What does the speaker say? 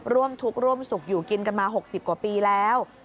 ร่วมทุกข์ร่วมสุขอยู่กินกันมา๖๐กว่าปีแล้ว